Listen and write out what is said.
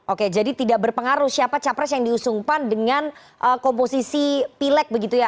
oke jadi tidak berpengaruh siapa capres yang diusung pan dengan komposisi pilek begitu ya